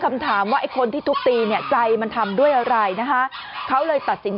คำถามว่าไอ้คนที่ทุบตีเนี่ยใจมันทำด้วยอะไรนะคะเขาเลยตัดสิน